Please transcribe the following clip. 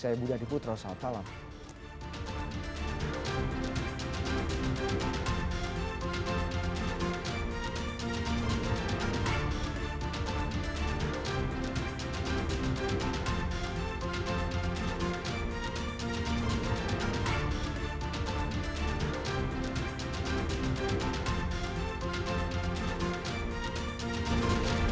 saya budha diputra wassalamu'alaikum warahmatullahi wabarakatuh